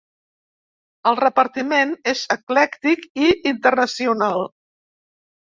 El repartiment és eclèctic i internacional.